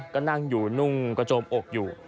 ก็นั่งอยู่นุ่งกระโจมอกอยู่